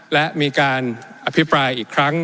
และมีการอภิปรายอีกครั้ง